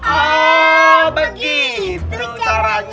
oh begitu caranya